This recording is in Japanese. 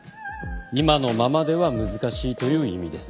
今のままでは難しいという意味です。